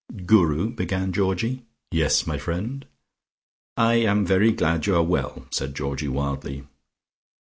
'" "Guru, " began Georgie. "Yes, my friend." "I am very glad you are well," said Georgie wildly.